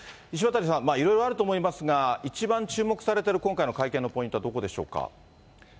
石渡さん、いろいろあると思いますが、一番注目されてる今回の会見のポイントはどこでしょうか。